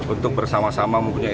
untuk bersama sama mempunyai